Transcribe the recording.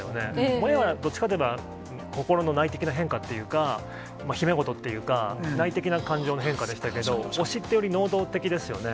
萌えはどっちかといえば、心の内的な変化っていうか、秘め事というか、内的な感情の変化でしたけど、推しって、より能動的ですよね。